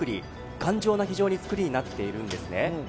頑丈な非常に造りになっているんですね。